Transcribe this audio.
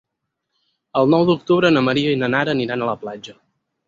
El nou d'octubre na Maria i na Nara aniran a la platja.